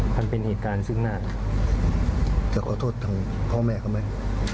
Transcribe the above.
มันเป็นเหตุการณ์ซึ่งน่าจะขอโทษทางพ่อแม่เขาไหม